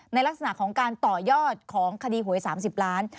ลักษณะของการต่อยอดของคดีหวย๓๐ล้าน